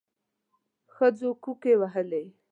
ښځو کوکي وهلې.